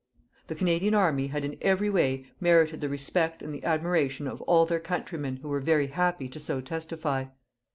The Canadian army had in every way merited the respect and the admiration of all their countrymen who were very happy to so testify.